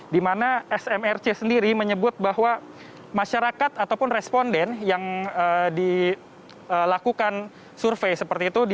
di mana smrc sendiri menyebut bahwa masyarakat ataupun responden yang dilakukan survei seperti itu